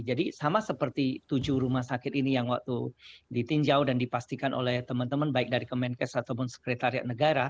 jadi sama seperti tujuh rumah sakit ini yang waktu ditinjau dan dipastikan oleh teman teman baik dari kemenkes ataupun sekretariat